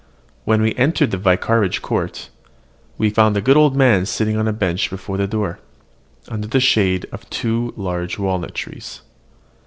When we entered the vicarage court, we found the good old man sitting on a bench before the door, under the shade of two large walnut trees.